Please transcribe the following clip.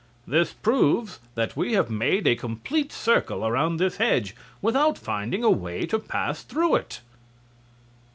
"This proves that we have made a complete circle around this hedge without finding a way to pass through it."